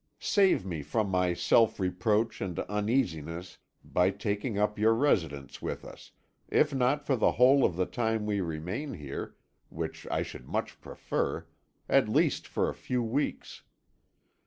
Save me from self reproach and uneasiness by taking up your residence with us, if not for the whole of the time we remain here, which I should much prefer, at least for a few weeks.